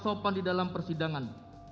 sopan di dalam persidangan